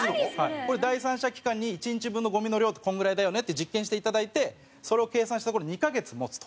これ、第三者機関に１日分のゴミの量ってこのぐらいだよねって実験していただいてそれを計算したところ２カ月持つと。